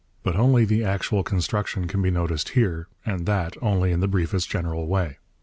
But only the actual construction can be noticed here, and that only in the briefest general way.